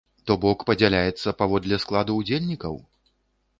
То бок падзяляецца паводле складу ўдзельнікаў?